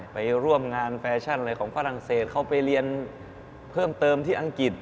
ไปร่วมงานแฟชั่นอะไรของฝรั่งเศสเขาไปเรียนเพิ่มเติมที่อังกฤษ